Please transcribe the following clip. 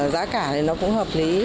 giá cả thì nó cũng hợp lý